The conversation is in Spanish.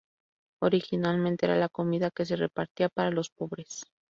Originalmente era la comida que se repartía para los pobres.